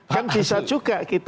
kan bisa juga